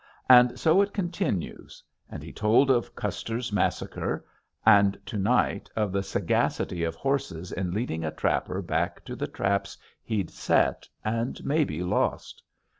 And so it continues. And he told of Custer's massacre. And, to night of the sagacity of horses in leading a trapper back to the traps he'd set and maybe lost.